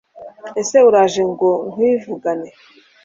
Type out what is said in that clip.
ese uraje ngo nkwivugane